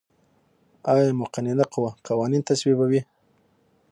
آیا مقننه قوه قوانین تصویبوي؟